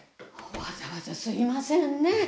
わざわざすいませんね。